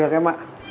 được em ạ